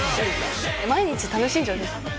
「毎日楽しんじょう！」です。